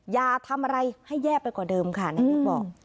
อย่าทำอะไรให้แย่ไปกว่าเดิมค่ะนายกบอก